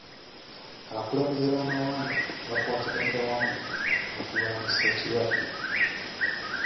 Abakulembeze b'amawanga bakwataganira wamu okulwanyisa ekirwadde.